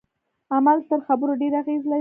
عمل تر خبرو ډیر اغیز لري.